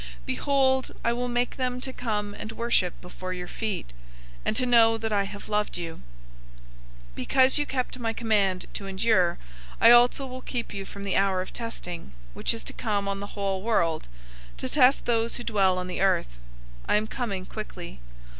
Behold, I will make them to come and worship before your feet, and to know that I have loved you. 003:010 Because you kept my command to endure, I also will keep you from the hour of testing, which is to come on the whole world, to test those who dwell on the earth. 003:011 I am coming quickly!